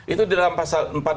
itu di dalam pasal empat belas